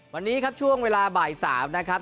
วันนี้ครับช่วงเวลาบ่าย๓นะครับ